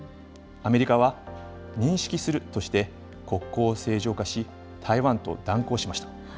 アメリカは認識するとして、国交を正常化し、台湾と断交しました。